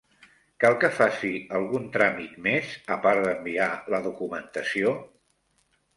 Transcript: Cal que faci algun tràmit més, a part d'enviar la documentació?